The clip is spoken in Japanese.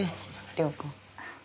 涼子。